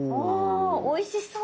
おいしそう。